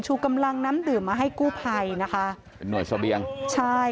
กำลังน้ำดื่มมาให้กู้ภัยนะคะเป็นหน่วยเสบียงใช่